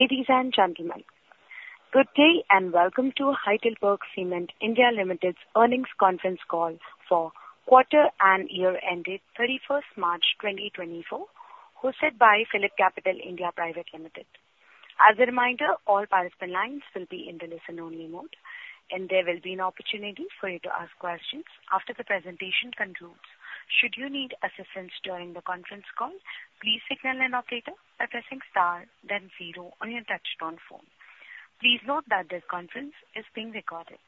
Ladies and gentlemen, good day and welcome to HeidelbergCement India Limited's earnings conference call for quarter and year ended 31st March 2024, hosted by PhillipCapital (India) Private Limited. As a reminder, all participant lines will be in the listen-only mode, and there will be an opportunity for you to ask questions after the presentation concludes. Should you need assistance during the conference call, please signal an operator by pressing Star then zero on your touchscreen phone. Please note that this conference is being recorded.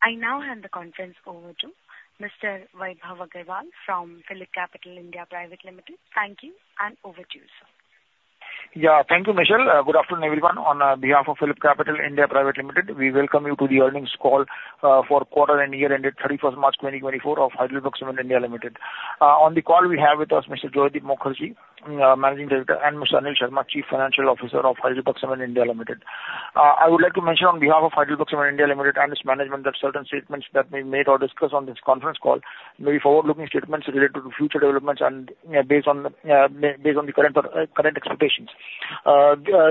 I now hand the conference over to Mr. Vaibhav Agarwal from PhillipCapital (India) Private Limited. Thank you, and over to you, sir. Yeah, thank you, Michelle. Good afternoon, everyone. On behalf of PhillipCapital (India) Private Limited, we welcome you to the earnings call for quarter and year ended 31st March 2024 of HeidelbergCement India Limited. On the call, we have with us Mr. Joydeep Mukherjee, Managing Director, and Mr. Anil Sharma, Chief Financial Officer of HeidelbergCement India Limited. I would like to mention on behalf of HeidelbergCement India Limited and its management that certain statements that may be made or discussed on this conference call may be forward-looking statements related to future developments and based on the current expectations.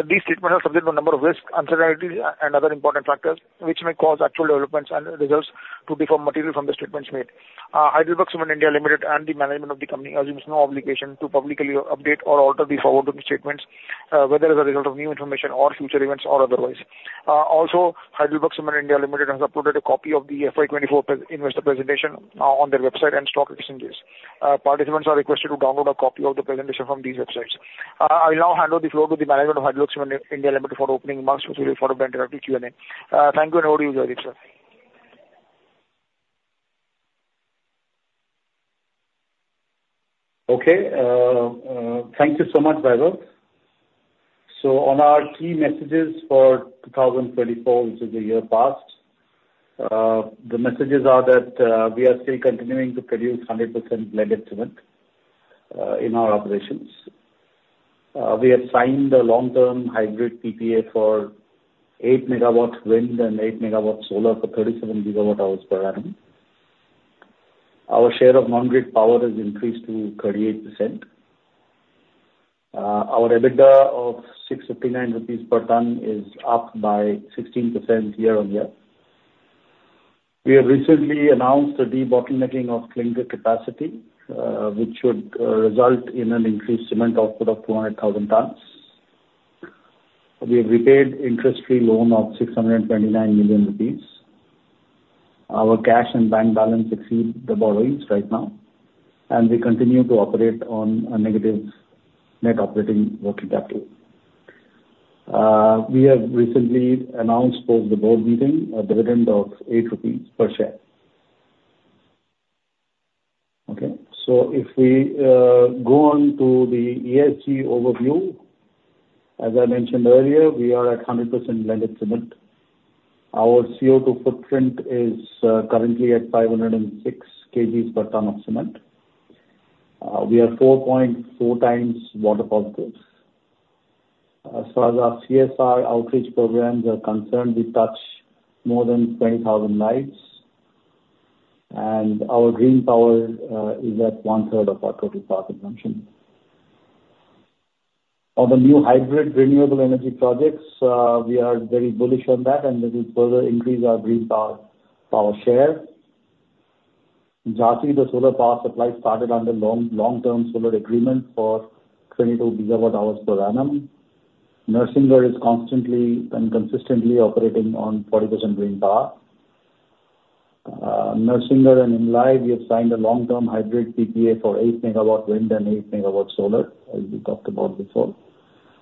These statements are subject to a number of risks, uncertainties, and other important factors which may cause actual developments and results to differ materially from the statements made. HeidelbergCement India Limited and the management of the company assumes no obligation to publicly update or alter the forward-looking statements, whether as a result of new information or future events or otherwise. Also, HeidelbergCement India Limited has uploaded a copy of the FY 2024 investor presentation on their website and stock exchanges. Participants are requested to download a copy of the presentation from these websites. I will now hand over the floor to the management of HeidelbergCement India Limited for opening remarks, which will be followed by a direct Q&A. Thank you, and over to you, Joydeep, sir. Okay. Thank you so much, Vaibhav. On our key messages for 2024, which is a year past, the messages are that we are still continuing to produce 100% blended cement in our operations. We have signed a long-term hybrid PPA for 8 MW wind and 8 MW solar for 37 GWh per annum. Our share of non-grid power has increased to 38%. Our EBITDA of 659 rupees per ton is up by 16% year-on-year. We have recently announced a debottlenecking of clinker capacity, which should result in an increased cement output of 200,000 tonnes. We have repaid interest-free loan of 629 million rupees. Our cash and bank balance exceed the borrowings right now, and we continue to operate on a negative net operating working capital. We have recently announced post the board meeting a dividend of 8 rupees per share. Okay. So if we go on to the ESG overview, as I mentioned earlier, we are at 100% blended cement. Our CO2 footprint is currently at 506 kg per tonne of cement. We are 4.4x water-positive. As far as our CSR outreach programs are concerned, we touch more than 20,000 lives, and our green power is at 1/3 of our total power consumption. On the new hybrid renewable energy projects, we are very bullish on that, and this will further increase our green power share. Jhansi, the solar power supply, started under long-term solar agreement for 22 GWh per annum. Narsingarh is constantly and consistently operating on 40% green power. Narsingarh and Imlai, we have signed a long-term hybrid PPA for 8 MW wind and 8 MW solar, as we talked about before.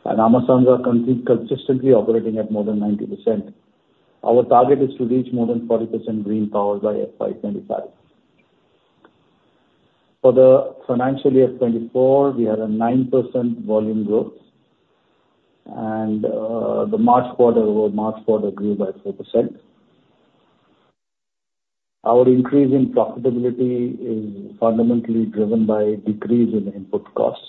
And Ammasandra are consistently operating at more than 90%. Our target is to reach more than 40% green power by FY 2025. For the financial year 2024, we had a 9% volume growth, and the March quarter grew by 4%. Our increase in profitability is fundamentally driven by a decrease in input costs.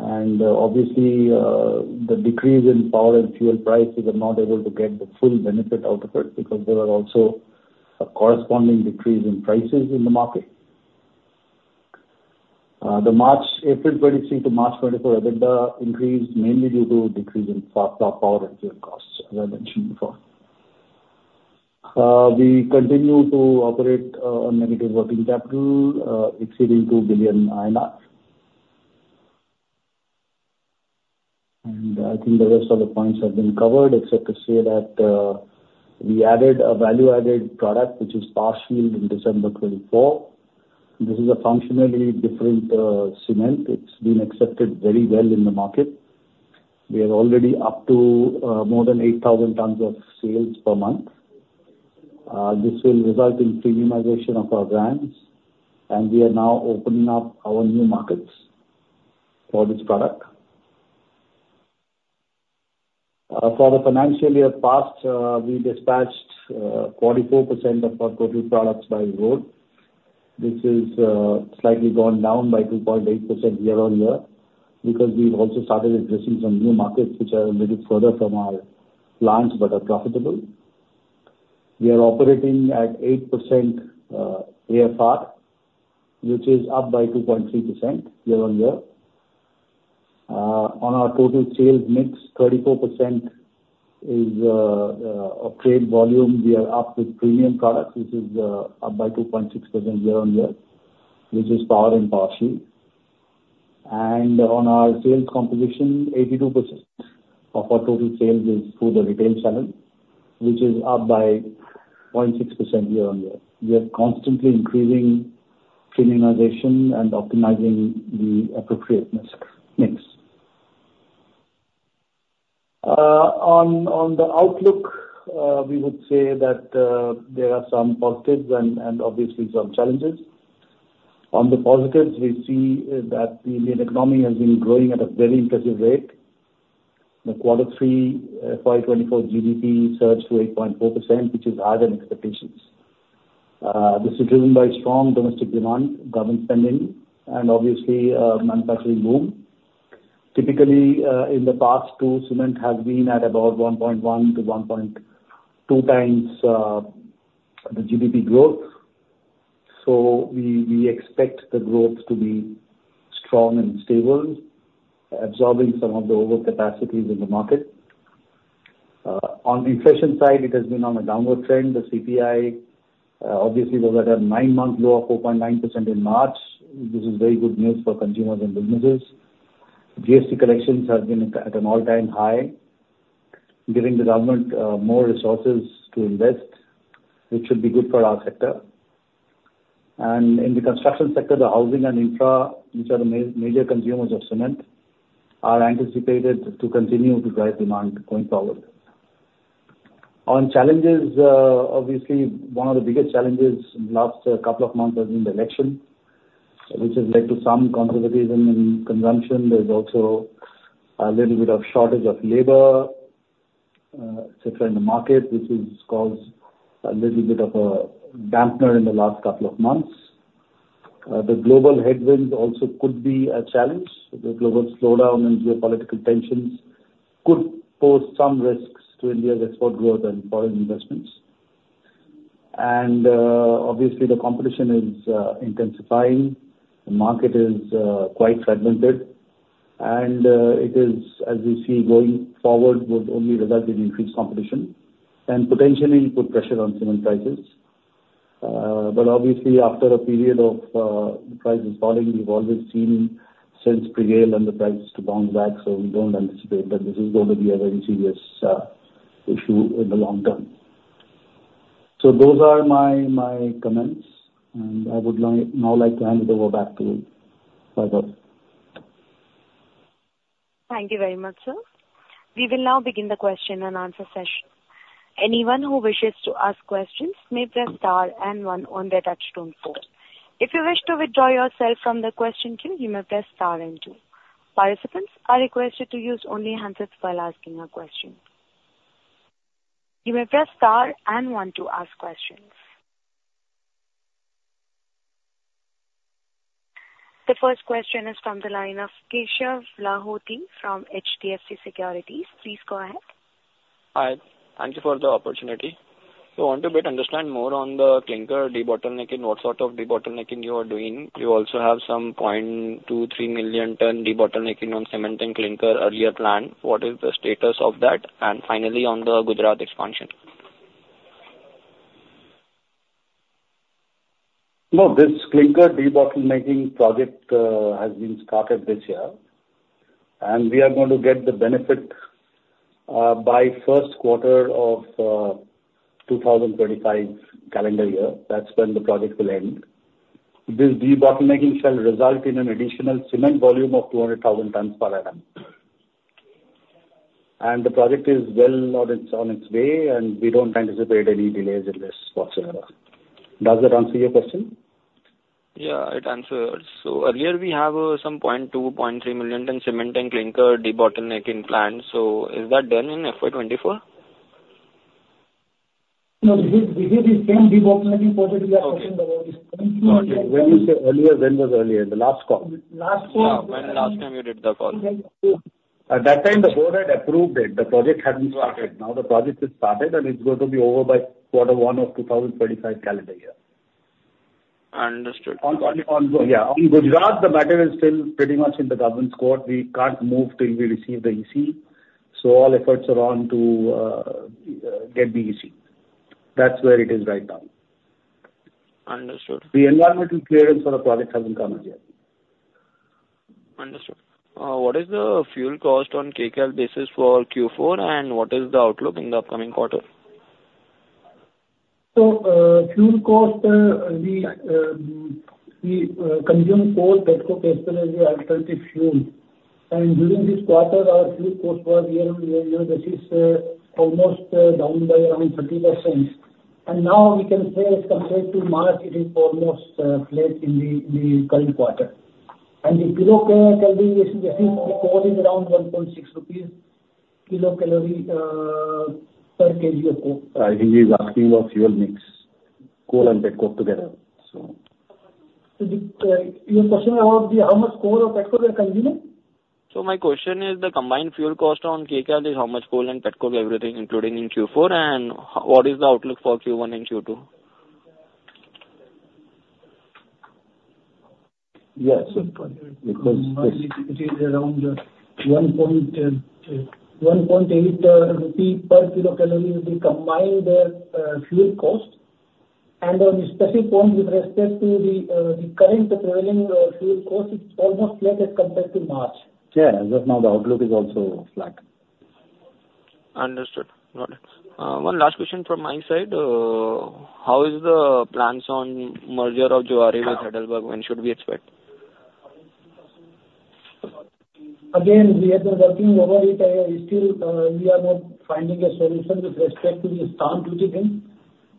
Obviously, the decrease in power and fuel prices, we're not able to get the full benefit out of it because there are also corresponding decreases in prices in the market. The April 2023 to March 2024 EBITDA increased mainly due to a decrease in power and fuel costs, as I mentioned before. We continue to operate on negative working capital, exceeding 2 billion INR. I think the rest of the points have been covered, except to say that we added a value-added product, which is Power Shield in December 2024. This is a functionally different cement. It's been accepted very well in the market. We are already up to more than 8,000 tons of sales per month. This will result in premiumization of our brands, and we are now opening up our new markets for this product. For the financial year past, we dispatched 44% of our total products by road. This has slightly gone down by 2.8% year-over-year because we've also started addressing some new markets, which are a little further from our plants but are profitable. We are operating at 8% AFR, which is up by 2.3% year-over-year. On our total sales mix, 34% is of trade volume. We are up with premium products. This is up by 2.6% year-over-year, which is Power and Power Shield. On our sales composition, 82% of our total sales is through the retail channel, which is up by 0.6% year-over-year. We are constantly increasing premiumization and optimizing the appropriate mix. On the outlook, we would say that there are some positives and obviously some challenges. On the positives, we see that the Indian economy has been growing at a very impressive rate. The quarter three FY 2024 GDP surged to 8.4%, which is higher than expectations. This is driven by strong domestic demand, government spending, and obviously manufacturing boom. Typically, in the past, cement has been at about 1.1x-1.2x the GDP growth. So we expect the growth to be strong and stable, absorbing some of the overcapacities in the market. On the inflation side, it has been on a downward trend. The CPI, obviously, was at a 9-month low of 4.9% in March. This is very good news for consumers and businesses. GST collections have been at an all-time high, giving the government more resources to invest, which should be good for our sector. In the construction sector, the housing and infra, which are the major consumers of cement, are anticipated to continue to drive demand going forward. On challenges, obviously, one of the biggest challenges in the last couple of months has been the election, which has led to some conservatism in consumption. There's also a little bit of shortage of labor, etc., in the market, which has caused a little bit of a dampener in the last couple of months. The global headwinds also could be a challenge. The global slowdown and geopolitical tensions could pose some risks to India's export growth and foreign investments. Obviously, the competition is intensifying. The market is quite fragmented. It is, as we see, going forward would only result in increased competition and potentially put pressure on cement prices. But obviously, after a period of the prices falling, we've always seen sense prevail and the prices to bounce back. So we don't anticipate that this is going to be a very serious issue in the long-term. So those are my comments. And I would now like to hand it over back to Vaibhav. Thank you very much, sir. We will now begin the question-and-answer session. Anyone who wishes to ask questions may press star and one on their touchscreen phone. If you wish to withdraw yourself from the question queue, you may press Star and two. Participants are requested to use only hands up while asking a question. You may press Star and one to ask questions. The first question is from the line of Keshav Lahoti from HDFC Securities. Please go ahead. Hi. Thank you for the opportunity. So I want to better understand more on the clinker debottlenecking, what sort of debottlenecking you are doing. You also have some 0.23 million ton debottlenecking on cement and clinker earlier planned. What is the status of that? And finally, on the Gujarat expansion. Well, this clinker debottlenecking project has been started this year, and we are going to get the benefit by first quarter of 2025 calendar year. That's when the project will end. This debottlenecking shall result in an additional cement volume of 200,000 tons per annum. And the project is well on its way, and we don't anticipate any delays in this whatsoever. Does that answer your question? Yeah, it answers. So earlier, we have some 0.2 million-0.3 million ton cement and clinker debottlenecking planned. So is that done in FY 2024? No, this is the same debottlenecking project we are talking about. It's 0.2 million earlier. When you say earlier, when was earlier? The last call. Last call. When last time you did the call? At that time, the board had approved it. The project hadn't started. Now the project has started, and it's going to be over by quarter one of 2025 calendar year. Understood. Yeah. On Gujarat, the matter is still pretty much in the government's court. We can't move till we receive the EC. So all efforts are on to get the EC. That's where it is right now. Understood. The environmental clearance for the project hasn't come as yet. Understood. What is the fuel cost on kcal basis for Q4, and what is the outlook in the upcoming quarter? So, fuel cost, the consumed cost that could be estimated as the alternative fuel. During this quarter, our fuel cost was year-on-year. This is almost down by around 30%. Now we can say, as compared to March, it is almost flat in the current quarter. The kilocalorie calculation, this is because it's around INR 1.6 kilocalorie per kg of coal. I think he's asking about fuel mix, coal and petcoke together, so. Your question about how much coal or petcoke we are consuming? My question is the combined fuel cost on Kcal is how much coal and petcoke and everything, including in Q4? And what is the outlook for Q1 and Q2? Yes. Because this. It is around INR 1.8 per kilocalorie is the combined fuel cost. On a specific point with respect to the current prevailing fuel cost, it's almost flat as compared to March. Yeah. Just now, the outlook is also flat. Understood. Got it. One last question from my side. How is the plans on merger of Zuari with Heidelberg? When should we expect? Again, we have been working over it. We are not finding a solution with respect to the stamp duty thing.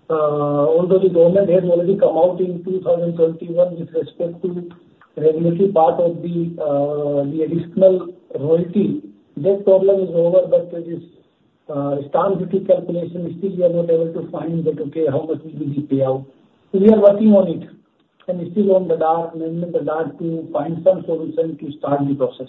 Although the government has already come out in 2021 with respect to regulatory part of the additional royalty, that problem is over. But with this stamp duty calculation, still we are not able to find that, okay, how much will be the payout. So we are working on it and still in the dark, management in the dark to find some solution to start the process.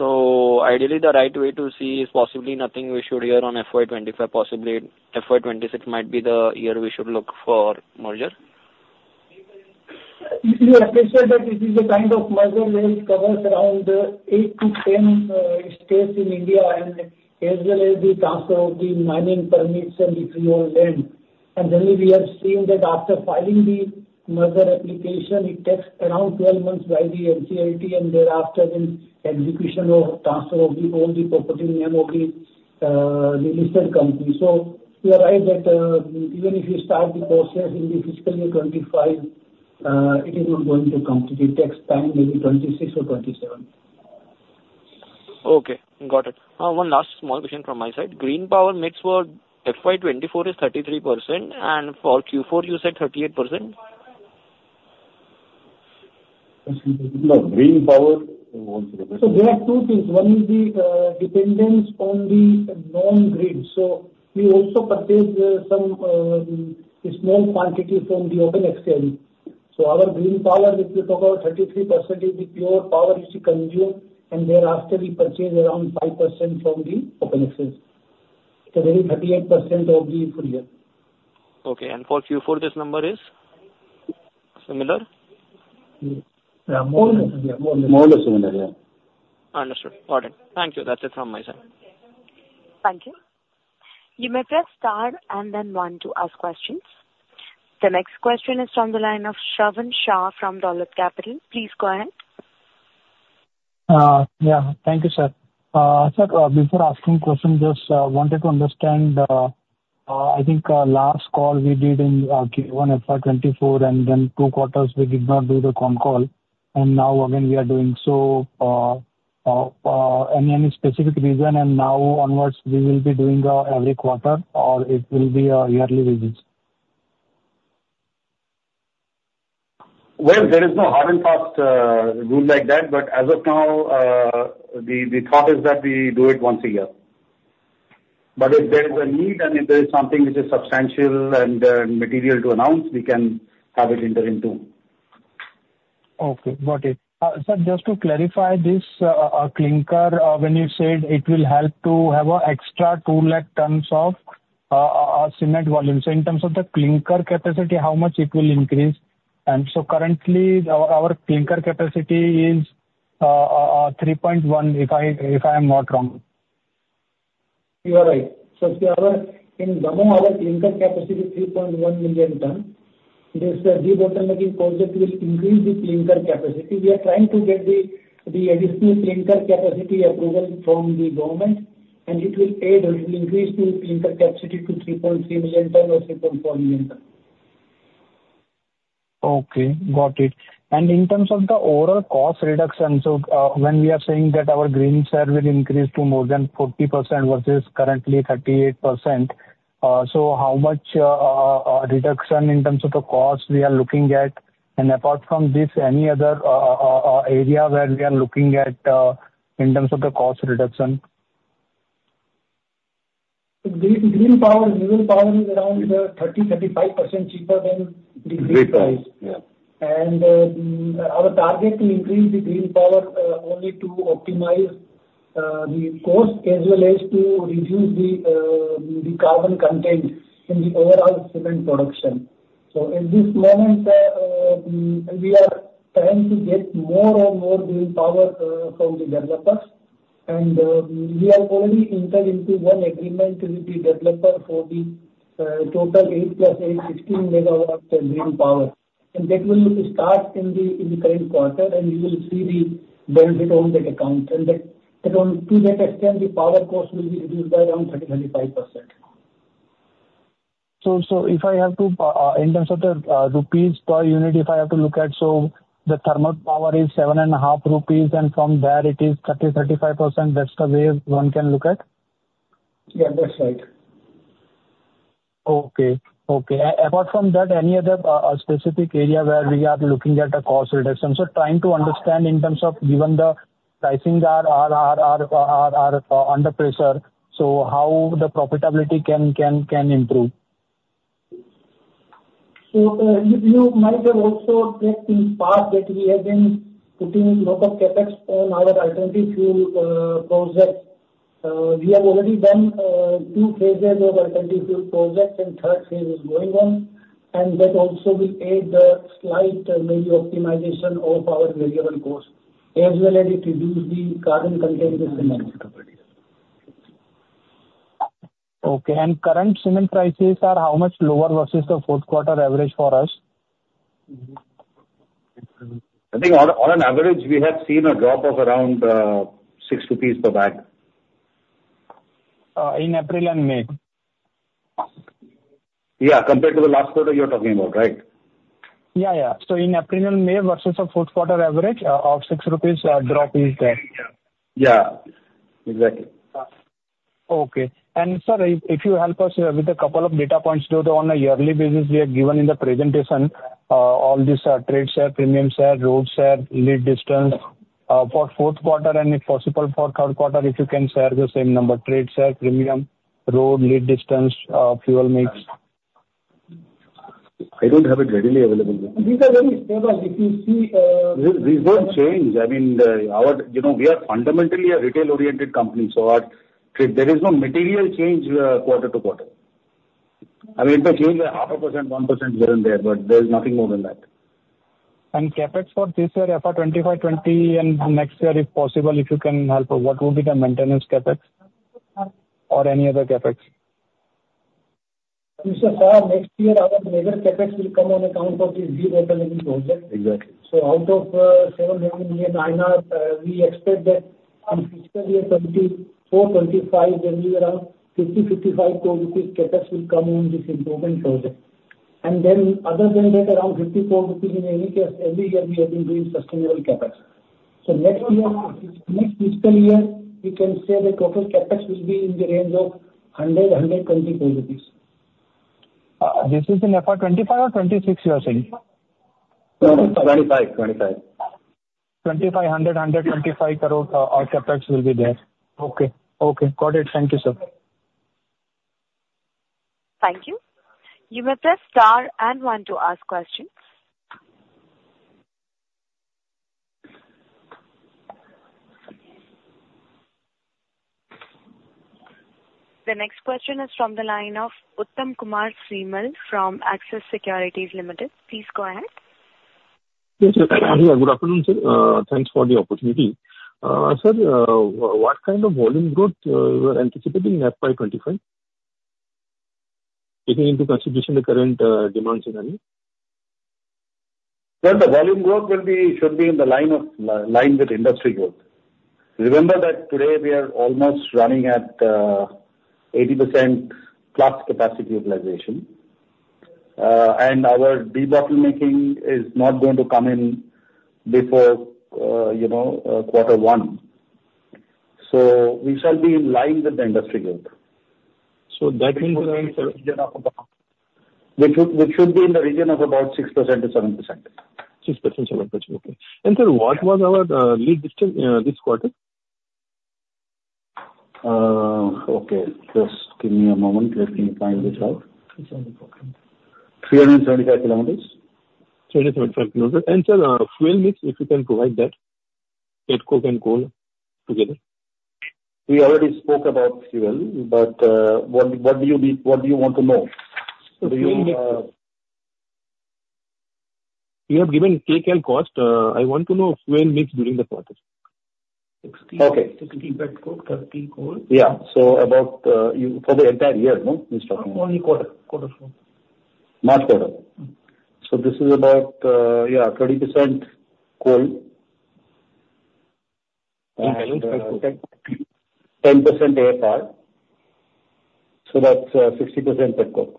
Ideally, the right way to see is possibly nothing we should hear on FY25. Possibly, FY26 might be the year we should look for merger. We appreciate that this is a kind of merger which covers around 8-10 states in India, as well as the transfer of the mining permits and the freehold land. Generally, we have seen that after filing the merger application, it takes around 12 months by the NCLT and thereafter in execution or transfer of all the property name of the listed company. We are right that even if you start the process in the fiscal year 2025, it is not going to complete. It takes time, maybe 2026 or 2027. Okay. Got it. One last small question from my side. Green Power mix for FY2024 is 33%, and for Q4, you said 38%? Green Power. One second. So there are two things. One is the dependence on the non-grid. So we also purchase some small quantity from the open exchange. So our Green Power, if you talk about 33%, is the pure power which we consume. And thereafter, we purchase around 5% from the open exchange. So there is 38% of the full-year. Okay. For Q4, this number is similar? Yeah. More or less. More or less similar. Yeah. Understood. Got it. Thank you. That's it from my side. Thank you. You may press star and then one to ask questions. The next question is from the line of Shravan Shah from Dolat Capital. Please go ahead. Yeah. Thank you, sir. Sir, before asking questions, just wanted to understand. I think last call we did in Q1, FY 2024, and then two quarters, we did not do the con call. And now, again, we are doing. So any specific reason? And now onwards, we will be doing every quarter, or it will be yearly basis? Well, there is no hard and fast rule like that. But as of now, the thought is that we do it once a year. But if there is a need and if there is something which is substantial and material to announce, we can have it in turn too. Okay. Got it. Sir, just to clarify this, when you said it will help to have an extra 200,000 tons of cement volume, so in terms of the clinker capacity, how much it will increase? So currently, our clinker capacity is 3.1 million, if I am not wrong. You are right. In the moment, our clinker capacity is 3.1 million tonnes. This debottlenecking project will increase the clinker capacity. We are trying to get the additional clinker capacity approval from the government, and it will aid or it will increase the clinker capacity to 3.3 million tonnes or 3.4 million tonnes. Okay. Got it. And in terms of the overall cost reduction, so when we are saying that our green share will increase to more than 40% versus currently 38%, so how much reduction in terms of the cost we are looking at? And apart from this, any other area where we are looking at in terms of the cost reduction? Green power, fuel power is around 30%-35% cheaper than the green price. Our target to increase the green power only to optimize the cost, as well as to reduce the carbon content in the overall cement production. So at this moment, we are trying to get more and more green power from the developers. And we have already entered into one agreement with the developer for the total 8 + 8, 16 MW green power. And that will start in the current quarter, and you will see the benefit on that account. And to that extent, the power cost will be reduced by around 30%-35%. So if I have to in terms of the rupees per unit, if I have to look at, so the thermal power is 7.5 rupees, and from there, it is 30%-35%. That's the way one can look at? Yeah, that's right. Okay. Okay. Apart from that, any other specific area where we are looking at a cost reduction? Trying to understand in terms of given the pricings are under pressure, so how the profitability can improve. You might have also checked in the past that we have been putting a lot of CapEx on our alternative fuel projects. We have already done two phases of alternative fuel projects, and third phase is going on. That also will aid the slight, maybe, optimization of our variable cost, as well as it reduces the carbon content in the cement. Okay. And current cement prices, are how much lower versus the fourth quarter average for us? I think on an average, we have seen a drop of around 6 rupees per bag. In April and May? Yeah, compared to the last quarter you're talking about, right? Yeah, yeah. So in April and May versus the fourth quarter average of 6 rupees, a drop is there. Yeah, exactly. Okay. Sir, if you help us with a couple of data points. On a yearly basis, we are given in the presentation all these trade share, premium share, road share, lead distance for fourth quarter, and if possible for third quarter, if you can share the same number: trade share, premium, road, lead distance, fuel mix. I don't have it readily available. These are very stable. If you see, these don't change. I mean, we are fundamentally a retail-oriented company. So there is no material change quarter to quarter. I mean, it may change by 0.5%, 1% here and there, but there is nothing more than that. CapEx for this year, FY2025, FY2026, and next year, if possible, if you can help, what would be the maintenance CapEx or any other CapEx? Sir, next year, our major CapEx will come on account of this debottlenecking project. So out of 7 million INR, we expect that in fiscal year 2024, 2025, there will be around 50-55 crore rupees CapEx will come on this improvement project. And then other than that, around 50 crore rupees in any case, every year, we have been doing sustainable CapEx. So next fiscal year, we can say the total CapEx will be in the range of 100 crore-120 crore rupees. This is in FY 2025 or FY 2026, you are saying? 2025. INR 125 crore or CapEx will be there? Okay. Okay. Got it. Thank you, sir. Thank you. You may press star and one to ask questions. The next question is from the line of Uttam Kumar Srimal from Axis Securities Limited. Please go ahead. Yes, sir. Yeah, good afternoon, sir. Thanks for the opportunity. Sir, what kind of volume growth you are anticipating in FY 2025, taking into consideration the current demand scenario? Well, the volume growth should be in line with industry growth. Remember that today, we are almost running at 80%+ capacity utilization. Our debottlenecking is not going to come in before quarter one. We shall be in line with the industry growth. So that means around. Which should be in the region of about 6%-7%. 6%, 7%. Okay. Sir, what was our lead distance this quarter? Okay. Just give me a moment. Let me find this out. 375 km. 375 km. Sir, fuel mix, if you can provide that, petcoke and coal together. We already spoke about fuel, but what do you want to know? Do you? Fuel mix. You have given Kcal cost. I want to know fuel mix during the quarter. 16 petcoke, 30 coal? Yeah. So for the entire year, no? You're talking? Only quarter. Quarter full. March quarter. So this is about, yeah, 30% coal. 30% petcoke. 10% AFR. So that's 60% petcoke.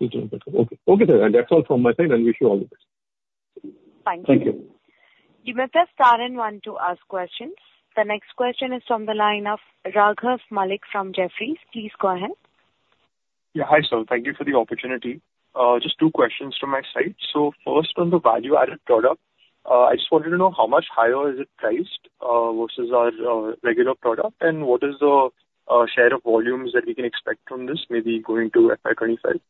60% Petcoke. Okay. Okay, sir. And that's all from my side. And wish you all the best. Thank you. Thank you. You may press star and one to ask questions. The next question is from the line of Raghav Malik from Jefferies. Please go ahead. Yeah. Hi, sir. Thank you for the opportunity. Just two questions from my side. So first, on the value-added product, I just wanted to know how much higher is it priced versus our regular product? And what is the share of volumes that we can expect from this, maybe going to FY 2025?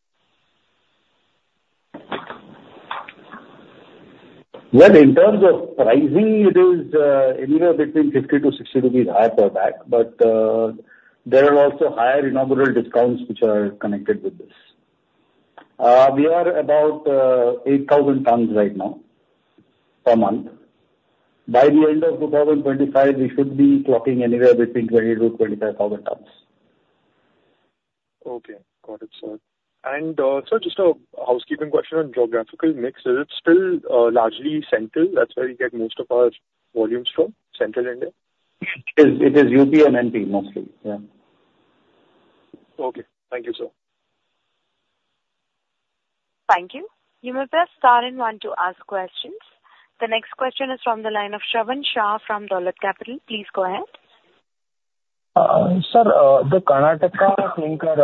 Well, in terms of pricing, it is anywhere between 50-60 rupees higher per bag. But there are also higher inaugural discounts which are connected with this. We are about 8,000 tons right now per month. By the end of 2025, we should be clocking anywhere between 20,000 tons-25,000 tons. Okay. Got it, sir. Sir, just a housekeeping question on geographical mix. Is it still largely Central? That's where we get most of our volumes from, Central India? It is UP and MP mostly. Yeah. Okay. Thank you, sir. Thank you. You may press star and one to ask questions. The next question is from the line of Shravan Shah from Dolat Capital. Please go ahead. Sir, the Karnataka clinker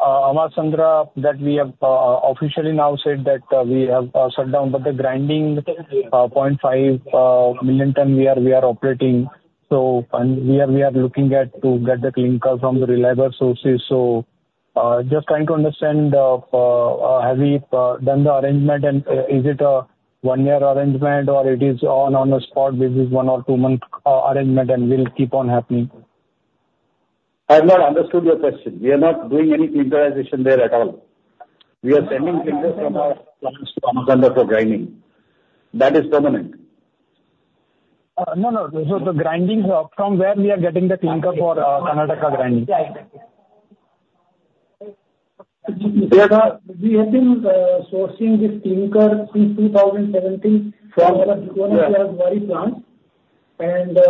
Ammasandra, that we have officially now said that we have shut down. But the grinding 0.5 million ton, we are operating. So we are looking at to get the clinker from the reliable sources. So just trying to understand, have we done the arrangement? And is it a one-year arrangement, or it is on the spot? This is one or two-month arrangement, and will keep on happening? I have not understood your question. We are not doing any clinkerization there at all. We are sending clinker from our plants to Ammasandra for grinding. That is permanent. No, no. So the grindings, from where we are getting the clinker for Karnataka grinding? We have been sourcing this clinker since 2017 from one of the Zuari plants.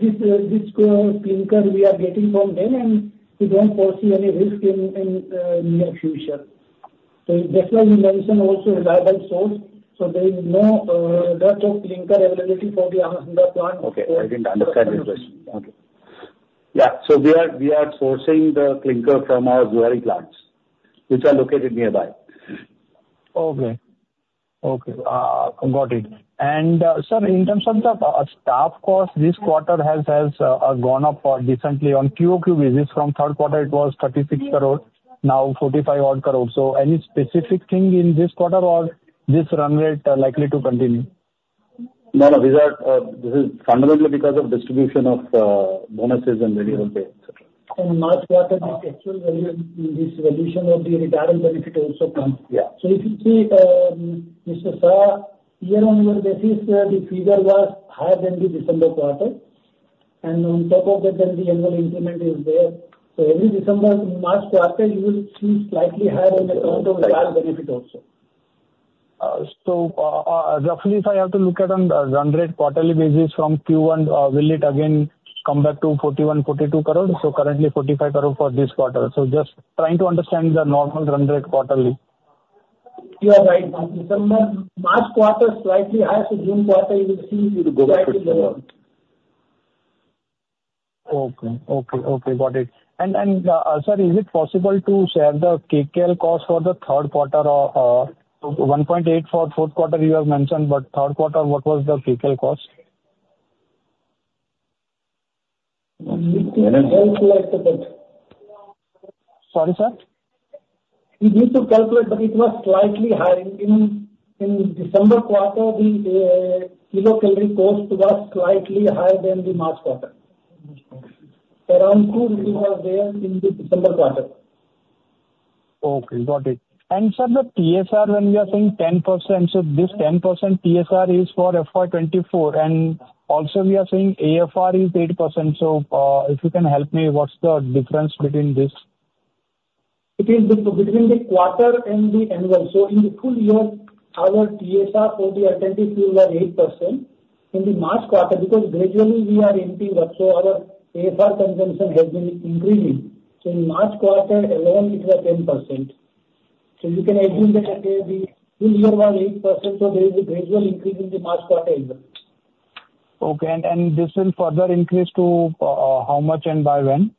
This clinker, we are getting from them, and we don't foresee any risk in the near future. That's why we mentioned also reliable source. There is no dearth of clinker availability for the Ammasandra plant. Okay. I didn't understand this question. Okay. Yeah. So we are sourcing the clinker from our Zuari plants, which are located nearby. Okay. Okay. Got it. And sir, in terms of the staff cost, this quarter has gone up decently. On Q-Q basis, from third quarter, it was 36 crore, now 45-odd crore. So any specific thing in this quarter or this run rate likely to continue? No, no. This is fundamentally because of distribution of bonuses and variable pays, etc. And March quarter, this actual valuation of the retirement benefit also comes. So if you see, sir, year-on-year basis, the figure was higher than the December quarter. And on top of that, then the annual increment is there. So every December, March quarter, you will see slightly higher on account of retirement benefit also. So roughly, if I have to look at the run rate quarterly basis from Q1, will it again come back to 41 crore-42 crore? So currently, 45 crore for this quarter. So just trying to understand the normal run rate quarterly. You are right. March quarter, slightly higher. So June quarter, you will see slightly lower. Okay. Okay. Okay. Got it. And sir, is it possible to share the kcal cost for the third quarter? So 1.8 for fourth quarter, you have mentioned. But third quarter, what was the kcal cost? We can calculate a bit. Sorry, sir? We need to calculate, but it was slightly higher. In December quarter, the kilocalorie cost was slightly higher than the March quarter. Around 2 was there in the December quarter. Okay. Got it. And sir, the TSR, when we are saying 10%, so this 10% TSR is for FY 2024. And also, we are saying AFR is 8%. So if you can help me, what's the difference between this? It is between the quarter and the annual. So in the full-year, our TSR for the alternative fuel was 8% in the March quarter because gradually, we are emptying up. So our AFR consumption has been increasing. So in March quarter alone, it was 10%. So you can assume that the full-year was 8%. So there is a gradual increase in the March quarter as well. Okay. This will further increase to how much and by when?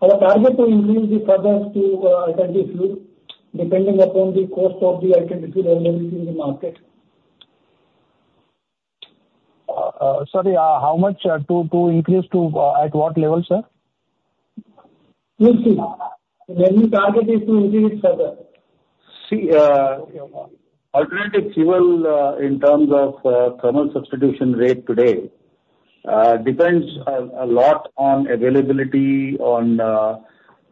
Our target to increase further to alternative fuel, depending upon the cost of the alternative fuel availability in the market. Sorry, how much to increase to at what level, sir? You see, the main target is to increase it further. See, alternative fuel, in terms of thermal substitution rate today, depends a lot on availability, on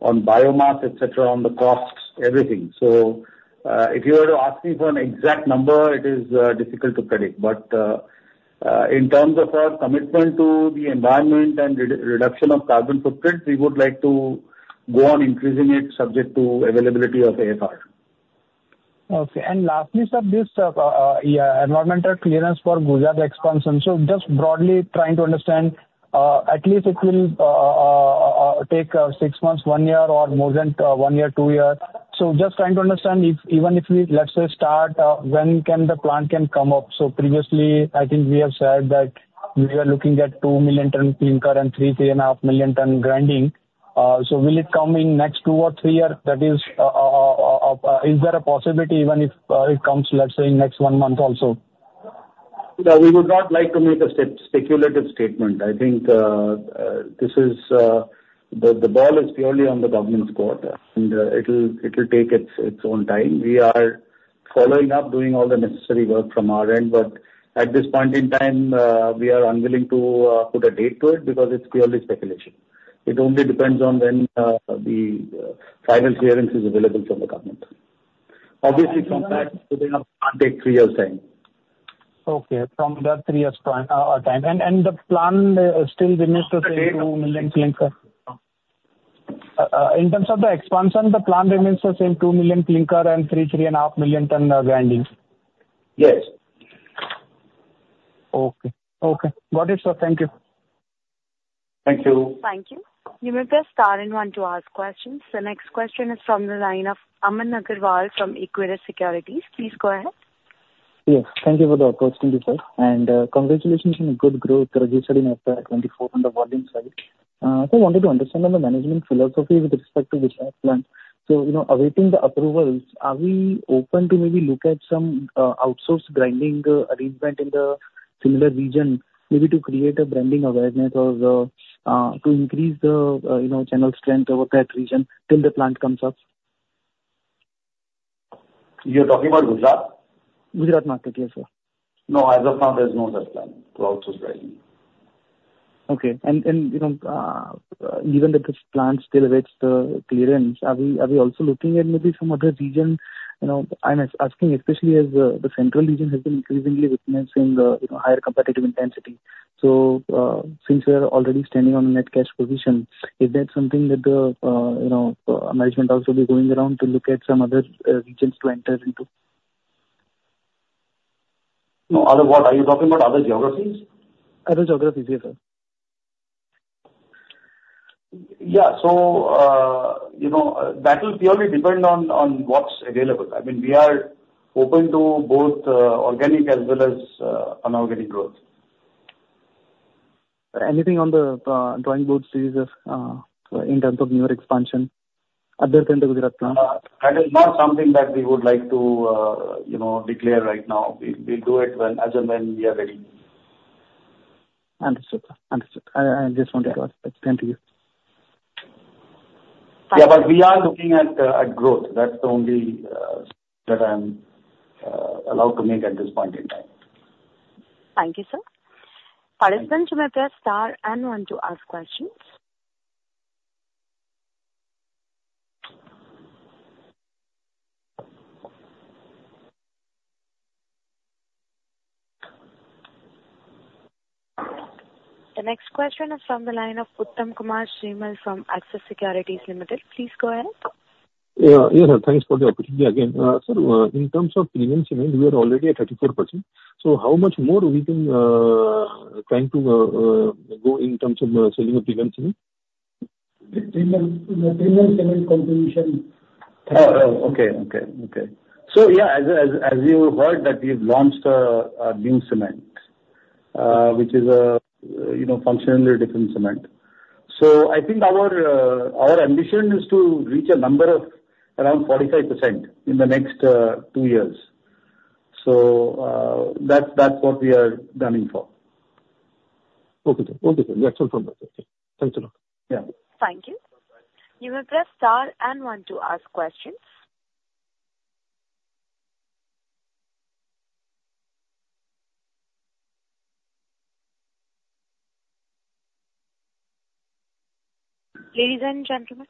biomass, etc., on the cost, everything. So if you were to ask me for an exact number, it is difficult to predict. But in terms of our commitment to the environment and reduction of carbon footprint, we would like to go on increasing it subject to availability of AFR. Okay. And lastly, sir, this environmental clearance for the Gujarat expansion. So just broadly trying to understand, at least it will take 6 months, 1 year, or more than 1 year, 2 years. So just trying to understand, even if we, let's say, start, when can the plant come up? So previously, I think we have said that we are looking at 2 million tonne clinker and 3 million-3.5 million ton grinding. So will it come in next 2 or 3 years? That is, is there a possibility even if it comes, let's say, in next 1 month also? No, we would not like to make a speculative statement. I think the ball is purely on the government's court, and it will take its own time. We are following up, doing all the necessary work from our end. But at this point in time, we are unwilling to put a date to it because it's purely speculation. It only depends on when the final clearance is available from the government. Obviously, from that, putting up can take 3 years' time. Okay. From that, 3 years' time. And the plan still remains the same 2 million clinker? In terms of the expansion, the plan remains the same 2 million clinker and 3 million-3.5 million tonne grinding? Yes. Okay. Okay. Got it, sir. Thank you. Thank you. Thank you. You may press Star and one to ask questions. The next question is from the line of Aman Agarwal from Equirus Securities. Please go ahead. Yes. Thank you for the approach, Joydeep sir. Congratulations on good growth registered in FY 2024 on the volume side. Sir, I wanted to understand on the management philosophy with respect to this plant. Awaiting the approvals, are we open to maybe look at some outsourced grinding arrangement in the similar region, maybe to create a branding awareness or to increase the channel strength over that region till the plant comes up? You're talking about Gujarat? Gujarat market. Yes, sir. No, as of now, there's no such plan to outsource grinding. Okay. And given that this plant still awaits the clearance, are we also looking at maybe some other region? I'm asking especially as the central region has been increasingly witnessing higher competitive intensity. So since we are already standing on a net cash position, is that something that the management also be going around to look at some other regions to enter into? Other what? Are you talking about other geographies? Other geographies. Yes, sir. Yeah. So that will purely depend on what's available. I mean, we are open to both organic as well as inorganic growth. Anything on the drawing board series, sir, in terms of newer expansion other than the Gujarat plant? That is not something that we would like to declare right now. We'll do it as and when we are ready. Understood, sir. Understood. I just wanted to ask. Thank you. Yeah. But we are looking at growth. That's the only statement I'm allowed to make at this point in time. Thank you, sir. For this time, you may press Star and one to ask questions. The next question is from the line of Uttam Kumar Srimal from Axis Securities Limited. Please go ahead. Yes, sir. Thanks for the opportunity again. Sir, in terms of premium cement, we are already at 34%. So how much more are we trying to go in terms of selling premium cement? The premium cement contribution. Oh, okay. Okay. Okay. So yeah, as you heard that we've launched a new cement, which is a functionally different cement. So I think our ambition is to reach a number of around 45% in the next two years. So that's what we are running for. Okay, sir. Okay, sir. That's all from us. Okay. Thanks a lot. Yeah. Thank you. You may press Star and one to ask questions. Ladies and gentlemen,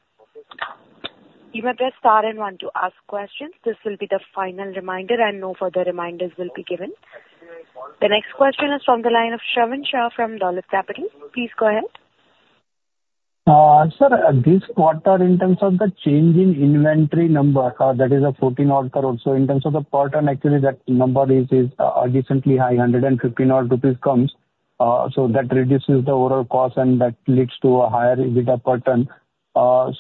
you may press Star and one to ask questions. This will be the final reminder, and no further reminders will be given. The next question is from the line of Shravan Shah from Dolat Capital. Please go ahead. Sir, this quarter, in terms of the change in inventory number, that is a 14-odd crore. So in terms of the per tonne, actually, that number is decently high. 115-odd rupees comes. So that reduces the overall cost, and that leads to a higher EBITDA per tonne.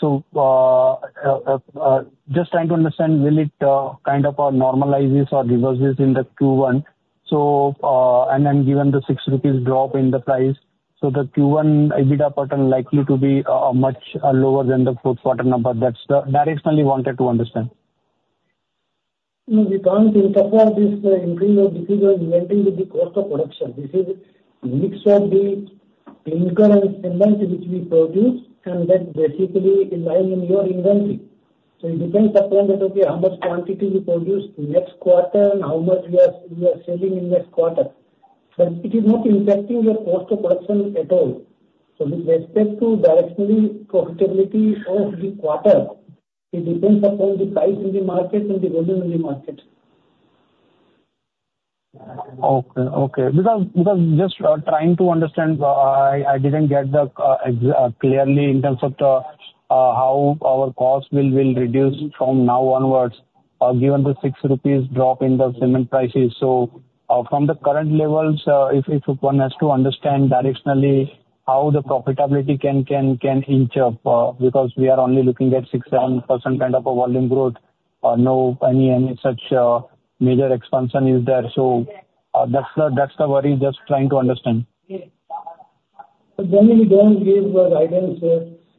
So just trying to understand, will it kind of normalizes or reverses in the Q1? And then given the 6 rupees drop in the price, so the Q1 EBITDA per tonne likely to be much lower than the fourth quarter number. That's the directionally wanted to understand. We can't interpret this increase or decrease of inventory with the cost of production. This is a mix of the clinker and cement which we produce, and that basically aligns in your inventory. So it depends upon that, okay, how much quantity we produce next quarter and how much we are selling in next quarter. But it is not impacting your cost of production at all. So with respect to directionally profitability of the quarter, it depends upon the price in the market and the volume in the market. Okay. Okay. Because just trying to understand, I didn't get clearly in terms of how our costs will reduce from now onwards given the 6 rupees drop in the cement prices. So from the current levels, if one has to understand directionally how the profitability can inch up because we are only looking at 6%-7% kind of a volume growth, no such major expansion is there. So that's the worry, just trying to understand. We don't give guidance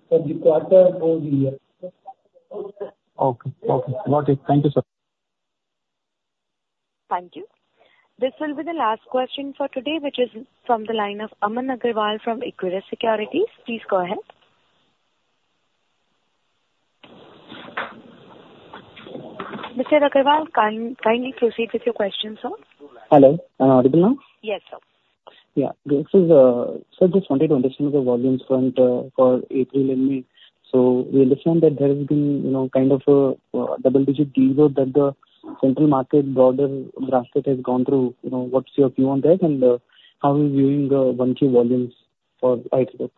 for the quarter or the year. Okay. Okay. Got it. Thank you, sir. Thank you. This will be the last question for today, which is from the line of Aman Agarwal from Equirus Securities. Please go ahead. Mr. Agarwal, kindly proceed with your question, sir. Hello. Am I audible now? Yes, sir. Yeah. Sir, just wanted to understand the volumes front for April. So we understand that there has been kind of a double-digit decline that the Central India market broader basket has gone through. What's your view on that and how are you viewing 1Q volumes for Heidelberg?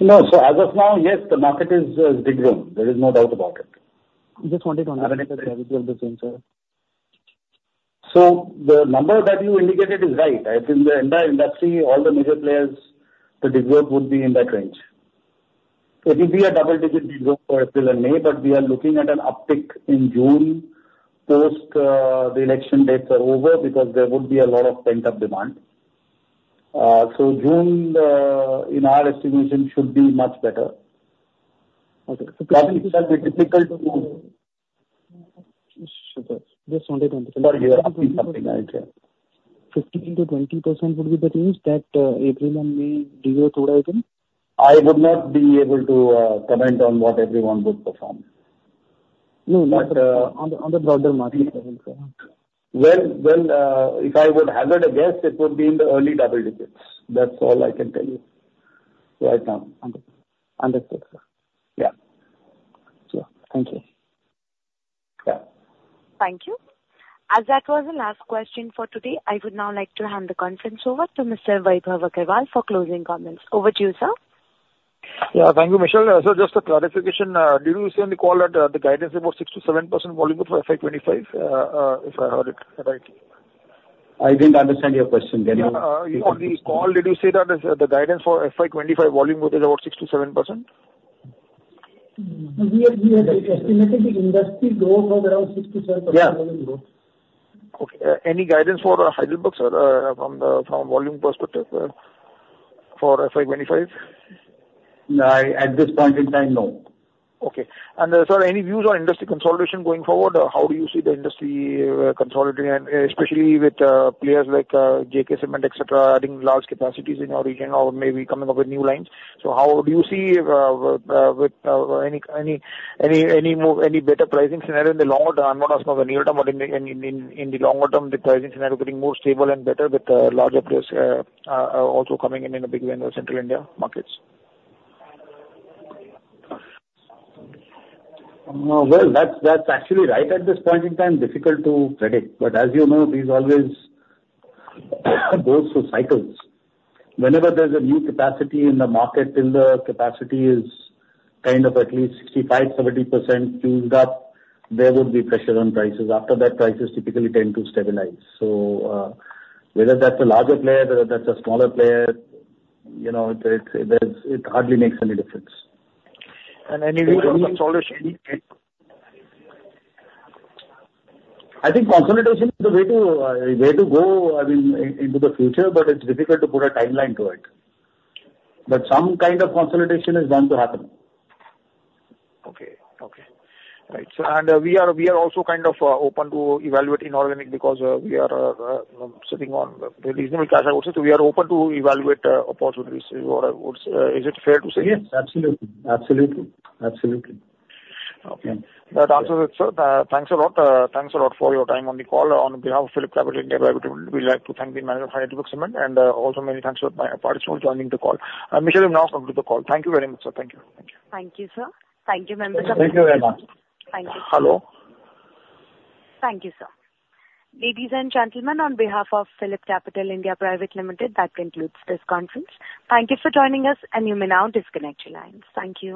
No. As of now, yes, the market is degrowing. There is no doubt about it. Just wanted to understand. I've been aware of the gravity of the same, sir. So the number that you indicated is right. In the entire industry, all the major players, the degrowth would be in that range. It will be a double-digit degrowth for April and May, but we are looking at an uptick in June post the election dates are over because there would be a lot of pent-up demand. So June, in our estimation, should be much better. Okay. So 15% would be typical to. Just wanted to understand. For year, I think something like that. 15%-20% would be the range that April and May degrow throughout again? I would not be able to comment on what everyone would perform. No, not on the broader market level, sir. Well, if I would hazard a guess, it would be in the early double digits. That's all I can tell you right now. Understood, sir. Yeah. Yeah. Thank you. Yeah. Thank you. As that was the last question for today, I would now like to hand the conference over to Mr. Vaibhav Agarwal for closing comments. Over to you, sir. Yeah. Thank you, Michelle. Sir, just a clarification. Did you say on the call that the guidance is about 6%-7% volume for FY 2025, if I heard it right? I didn't understand your question. Can you? On the call, did you say that the guidance for FY 2025 volume is about 6%-7%? We have estimated the industry growth of around 6%-7% volume growth. Okay. Any guidance for Heidelberg, sir, from a volume perspective for FY 2025? No. At this point in time, no. Okay. And sir, any views on industry consolidation going forward? How do you see the industry consolidating, especially with players like JK Cement, etc., adding large capacities in your region or maybe coming up with new lines? So how do you see with any better pricing scenario in the longer term? I'm not asking for the near-term, but in the longer term, the pricing scenario getting more stable and better with larger players also coming in in a big way in the Central India markets? Well, that's actually right at this point in time. Difficult to predict. But as you know, these always go through cycles. Whenever there's a new capacity in the market till the capacity is kind of at least 65%-70% fueled up, there would be pressure on prices. After that, prices typically tend to stabilize. So whether that's a larger player, whether that's a smaller player, it hardly makes any difference. Any views on consolidation? I think consolidation is the way to go, I mean, into the future, but it's difficult to put a timeline to it. But some kind of consolidation is bound to happen. Okay. Okay. Right. And we are also kind of open to evaluate inorganic because we are sitting on reasonable cash, I would say. So we are open to evaluate opportunities. Is it fair to say? Yes. Absolutely. Absolutely. Absolutely. Okay. That answers it, sir. Thanks a lot. Thanks a lot for your time on the call. On behalf of PhillipCapital (India) Private Limited, we'd like to thank the manager of HeidelbergCement, and also many thanks for participating in the call. Michelle, you may now conclude the call. Thank you very much, sir. Thank you. Thank you. Thank you, sir. Thank you, members of. Thank you very much. Thank you. Hello? Thank you, sir. Ladies and gentlemen, on behalf of PhillipCapital (India) Private Limited, that concludes this conference. Thank you for joining us, and you may now disconnect your lines. Thank you.